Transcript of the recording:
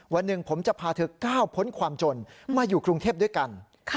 วันหนึ่งผมจะพาเธอก้าวพ้นความจนมาอยู่กรุงเทพด้วยกัน